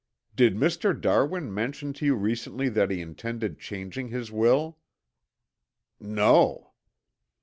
"Did Mr. Darwin mention to you recently that he intended changing his will?" "No."